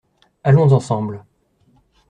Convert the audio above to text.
Allons ensemble.